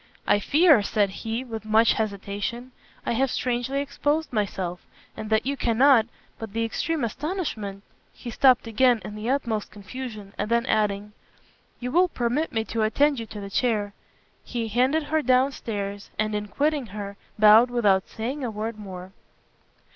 "I fear," said he, with much hesitation, "I have strangely exposed myself and that you cannot but the extreme astonishment " he stopt again in the utmost confusion, and then adding, "you will permit me to attend you to the chair," he handed her down stairs, and in quitting her, bowed without saying a word more.